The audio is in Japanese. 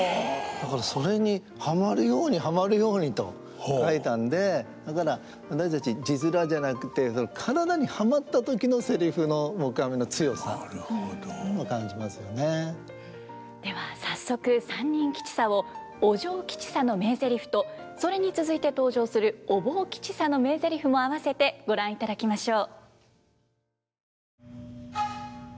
だからそれにハマるようにハマるようにと書いたんでだから私たち字面じゃなくてでは早速「三人吉三」をお嬢吉三の名ゼリフとそれに続いて登場するお坊吉三の名ゼリフもあわせてご覧いただきましょう。